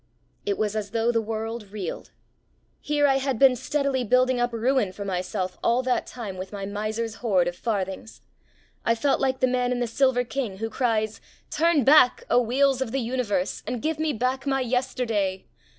It was as though the world reeled. Here I had been steadily building up ruin for myself all that time with my miser's hoard of farthings. I felt like the man in The Silver King who cries: "Turn back, O wheels of the Universe, and give me back my yesterday!"